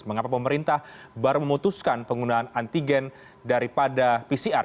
mengapa pemerintah baru memutuskan penggunaan antigen daripada pcr